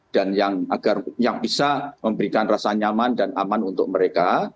dan yang bisa memberikan rasa nyaman dan aman untuk mereka